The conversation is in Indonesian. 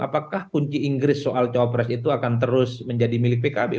apakah kunci inggris soal cawapres itu akan terus menjadi milik pkb